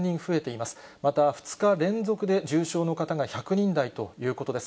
また２日連続で重症の方が１００人台ということです。